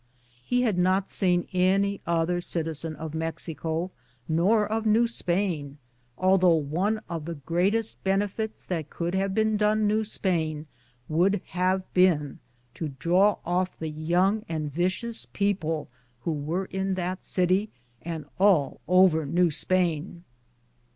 He had not seen any other citizen of Mexico, nor of New Spain, although one of the greatest benefits that could have been done New Spain would have been to draw off the young and vicious people who were in that city and all over New Spain.